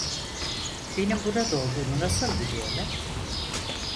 Benim burada olduğumu nasıl biliyorlar?